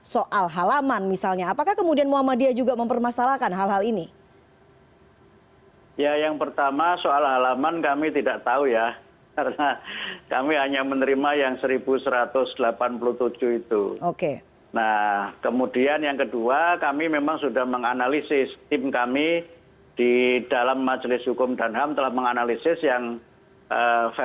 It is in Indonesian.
selain itu presiden judicial review ke mahkamah konstitusi juga masih menjadi pilihan pp muhammadiyah